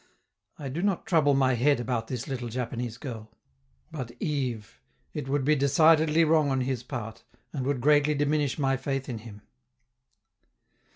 I do not trouble my head about this little Japanese girl. But Yves it would be decidedly wrong on his part, and would greatly diminish my faith in him.